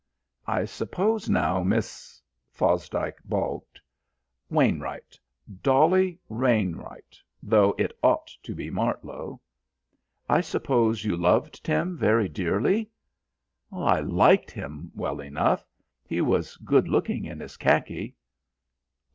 "I suppose now, Miss " Fosdike baulked. "Wainwright, Dolly Wainwright, though it ought to be Martlow." "I suppose you loved Tim very dearly?" "I liked him well enough. He was good looking in his khaki."